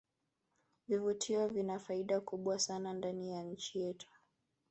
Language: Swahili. vivutio vina faida kubwa sana ndani ya nchi yetu